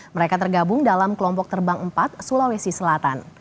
mereka tergabung dalam kelompok terbang empat sulawesi selatan